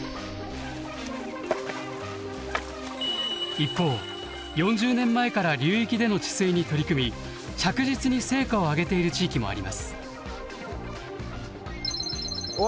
一方４０年前から流域での治水に取り組み着実に成果を上げている地域もあります。